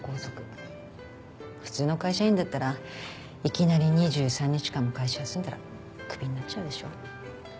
普通の会社員だったらいきなり２３日間も会社休んだらクビになっちゃうでしょ？